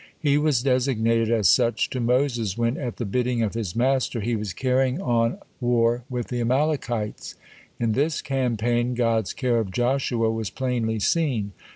(3) He was designated as such to Moses when, at the bidding of his master, he was carrying on war with the Amalekites. (4) In this campaign God's care of Joshua was plainly seen.